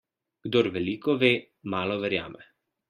Kdor veliko ve, malo verjame.